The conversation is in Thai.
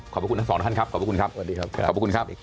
ขอบคุณท้องนะครับขอบคุณครับ